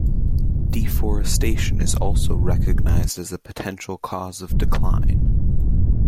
Deforestation is also recognized as a potential cause of decline.